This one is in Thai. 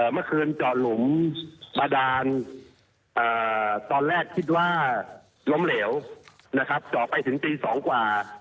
เมื่อคืนเจาะหลุมบาดานตอนแรกคิดว่าล้มเหลวนะครับเจาะไปถึงตี๒กว่า